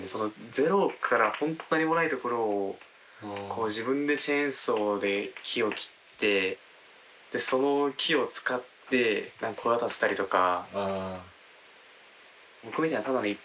ゼロから何もないところを自分でチェーンソーで木を切ってその木を使って小屋建てたりとか。